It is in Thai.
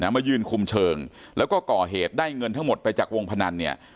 มายืนคุมเชิงแล้วก็ก่อเหตุได้เงินทั้งหมดไปจากวงพนันเนี่ย